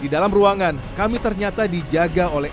di dalam ruangan kami ternyata dijaga oleh